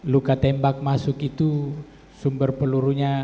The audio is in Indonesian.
luka tembak masuk itu sumber pelurunya